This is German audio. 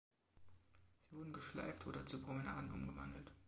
Sie wurden geschleift oder zu Promenaden umgewandelt.